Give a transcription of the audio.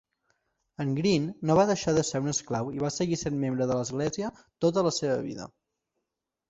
En Green no va deixar de ser un esclau i va seguir sent membre de l"església tota la seva vida.